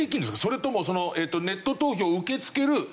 それともネット投票を受け付けるセンターが？